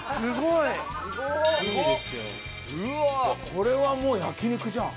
これはもう焼肉じゃん。